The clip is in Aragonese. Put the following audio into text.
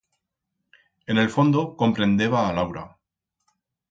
En el fondo comprendeba a Laura.